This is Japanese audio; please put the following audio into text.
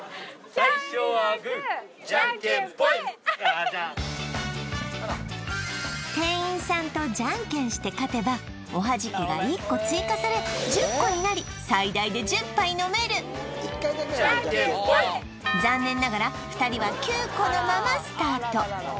最初はグージャンケンポイ店員さんとジャンケンして勝てばおはじきが１個追加され１０個になり最大で１０杯飲めるジャンケンポイ残念ながら２人は９個のままスタート